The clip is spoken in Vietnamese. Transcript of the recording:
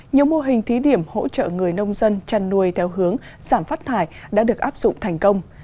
nhiều mô hình thí điểm hỗ trợ người nông dân chăn nuôi theo hướng giảm phát thải đã được áp dụng thành công